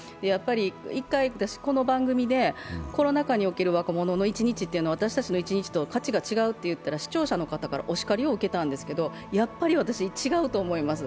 １回、私、この番組で、コロナ禍における若者の一日が私たちの一日と価値が違うと言ったら視聴者の方かおしかりを受けたんですけど、やっぱり私、違うと思います。